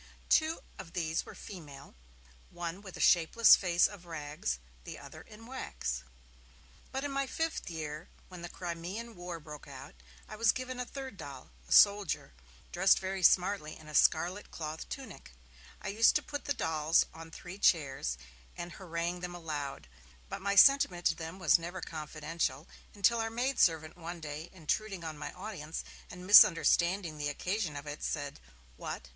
Two of these were female, one with a shapeless face of rags, the other in wax. But, in my fifth year, when the Crimean War broke out, I was given a third doll, a soldier, dressed very smartly in a scarlet cloth tunic. I used to put the dolls on three chairs, and harangue them aloud, but my sentiment to them was never confidential, until our maid servant one day, intruding on my audience, and misunderstanding the occasion of it, said: 'What?